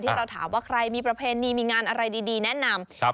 เราถามว่าใครมีประเพณีมีงานอะไรดีแนะนำ